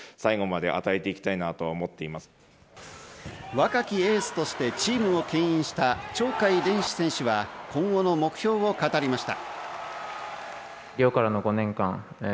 若きエースとしてチームをけん引した鳥海連志選手は今後の目標を語りました。